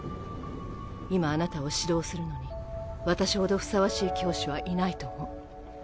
今あなたを指導するのに私ほどふさわしい教師はいないと思う。